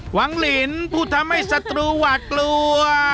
หวังลินผู้ทำให้ศัตรูหวาดกลัว